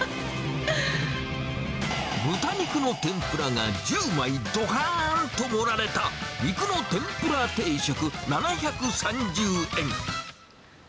豚肉の天ぷらが１０枚どかーんと盛られた肉の天ぷら定食７３０円。